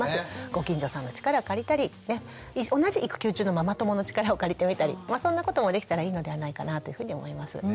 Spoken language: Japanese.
ご近所さんの力を借りたりね同じ育休中のママ友の力を借りてみたりそんなこともできたらいいのではないかなというふうに思います。